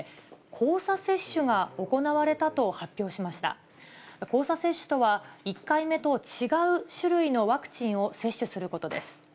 交差接種とは、１回目と違う種類のワクチンを接種することです。